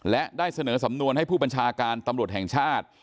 และได้เสนอสำนวนให้ผู้บัญชาการตำรวจแห่งชาติ